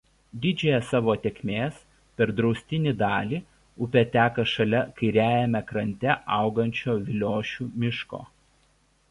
Didžiąją savo tėkmės per draustinį dalį upė teka šalia kairiajame krante augančio Viliošių miško.